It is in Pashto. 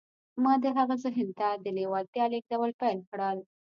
ما د هغه ذهن ته د لېوالتیا لېږدول پیل کړل